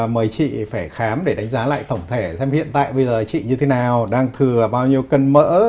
mời chị phải khám để đánh giá lại tổng thể xem hiện tại bây giờ chị như thế nào đang thừa bao nhiêu cân mỡ